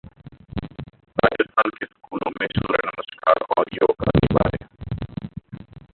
राजस्थान के स्कूलों में सूर्य नमस्कार और योग अनिवार्य